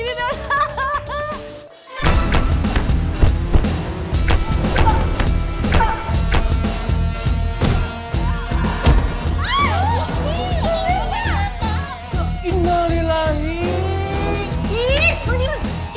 thank you banget